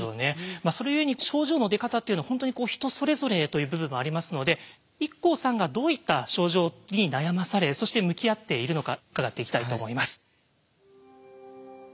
それ故に症状の出方っていうのは本当にこう人それぞれという部分もありますのでＩＫＫＯさんがどういった症状に悩まされそして向き合っているのか伺っていきたいと思います。